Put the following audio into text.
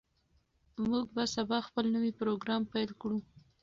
موږ به سبا خپل نوی پروګرام پیل کړو.